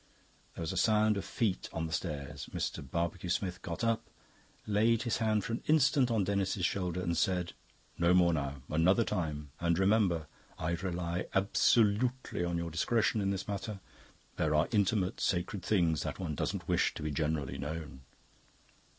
There was the sound of feet on the stairs. Mr. Barbecue Smith got up, laid his hand for an instant on Denis's shoulder, and said: "No more now. Another time. And remember, I rely absolutely on your discretion in this matter. There are intimate, sacred things that one doesn't wish to be generally known."